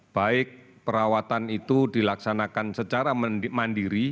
baik perawatan itu dilaksanakan secara mandiri